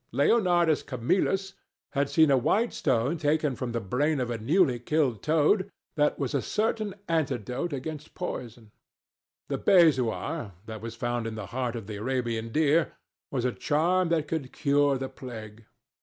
Leonardus Camillus had seen a white stone taken from the brain of a newly killed toad, that was a certain antidote against poison. The bezoar, that was found in the heart of the Arabian deer, was a charm that could cure the plague.